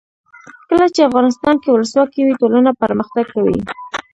کله چې افغانستان کې ولسواکي وي ټولنه پرمختګ کوي.